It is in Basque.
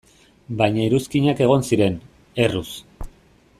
Baina iruzkinak egon ziren, erruz.